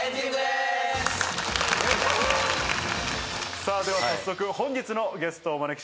さぁでは早速本日のゲストをお招きしましょう！